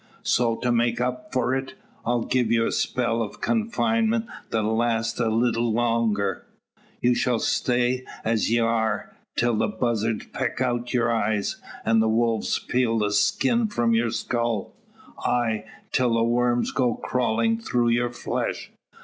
So to make up for't I'll give you a spell o' confinement that'll last a leetle longer. You shall stay as ye are, till the buzzarts peck out your eyes, an' the wolves peel the skin from your skull ay, till the worms go crawlin' through your flesh.